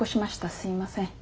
すいません。